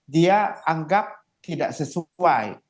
dia anggap tidak sesuai